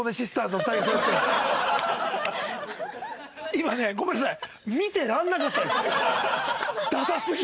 今ねごめんなさい。